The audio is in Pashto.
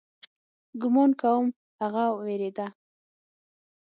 ګومان کوم هغه وېرېده.